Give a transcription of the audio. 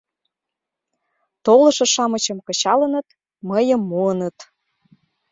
Толышо-шамычым кычалыныт — мыйым муыныт.